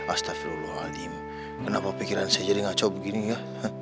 astagfirullahaladzim kenapa pikiran saya jadi ngacau begini ya